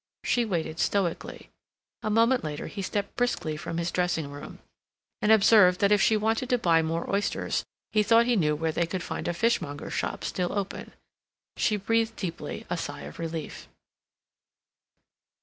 She waited stoically. A moment later he stepped briskly from his dressing room, and observed that if she wanted to buy more oysters he thought he knew where they could find a fishmonger's shop still open. She breathed deeply a sigh of relief.